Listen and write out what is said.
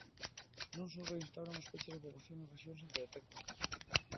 Non só reinstauran os peches da poboación nas rexións en que detectan casos.